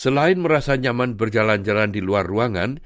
selain merasa nyaman berjalan jalan di luar ruangan